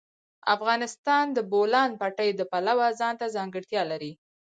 افغانستان د د بولان پټي د پلوه ځانته ځانګړتیا لري.